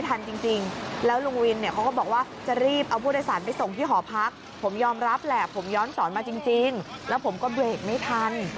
ที่หอพักผมยอมรับแหละผมย้อนสอนมาจริงแล้วผมก็เบรกไม่ทัน